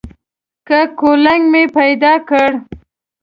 که کولنګ مې پیدا کړ.